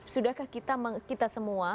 sudahkah kita semua